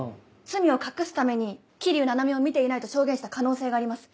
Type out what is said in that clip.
罪を隠すために「桐生菜々美を見ていない」と証言した可能性があります